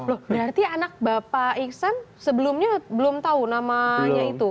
loh berarti anak bapak iksan sebelumnya belum tahu namanya itu